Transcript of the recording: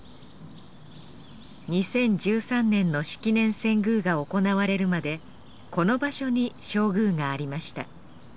２０１３年の式年遷宮が行われるまでこの場所に正宮がありました。